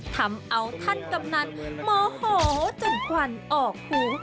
ทำเอาท่านกำนันโมโหจนควันออกหู